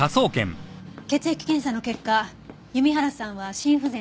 血液検査の結果弓原さんは心不全でした。